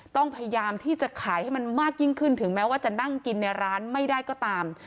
ต้องพยายามที่จะขายให้มันมากยิ่งขึ้นถึงแม้ว่าจะนั่งกินในร้านไม่ได้ก็ตาม